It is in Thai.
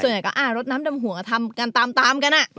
ส่วนใหญ่ก็รดน้ำดำหัวทำกันตามกัน